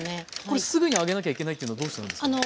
これすぐにあげなきゃいけないというのはどうしてなんですか？